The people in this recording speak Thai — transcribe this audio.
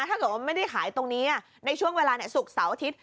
ถ้าเกิดว่าไม่ได้ขายตรงนี้ในช่วงเวลาศุกร์เสาร์อาทิตย์